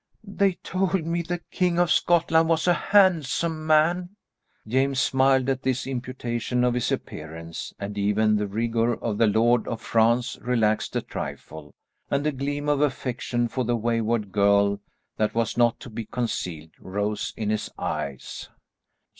"They told me the King of Scotland was a handsome man!" James smiled at this imputation on his appearance, and even the rigour of the lord of France relaxed a trifle, and a gleam of affection for the wayward girl that was not to be concealed, rose in his eyes.